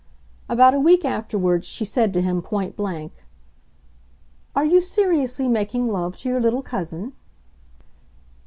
About a week afterwards she said to him, point blank, "Are you seriously making love to your little cousin?"